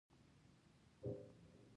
یا هم کولای شي خپل تقاعد وغواړي.